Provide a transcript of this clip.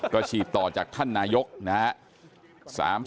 ก็ฉีดต่อจากท่านนายกนะครับ